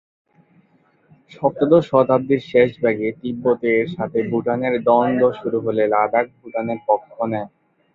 সপ্তদশ শতাব্দীর শেষ ভাগে তিব্বতের সাথে ভুটানের দ্বন্দ্ব শুরু হলে লাদাখ ভুটানের পক্ষ নেয়।